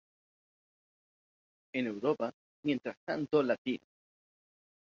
En Europa, mientras tanto Latino!